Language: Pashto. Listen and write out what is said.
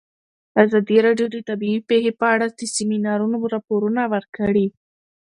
ازادي راډیو د طبیعي پېښې په اړه د سیمینارونو راپورونه ورکړي.